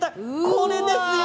これですよ。